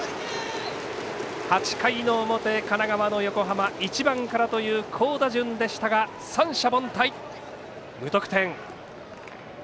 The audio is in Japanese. ８回表、神奈川の横浜１番からという好打順でしたが三者凡退、無得点。